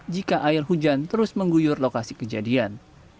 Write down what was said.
jika air hujan terus mengguyur lokasi kejadian